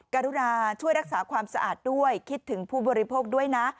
การุณาช่วยรักษาความสะอาดด้วยคิดถึงผู้บริโภคด้วยนะ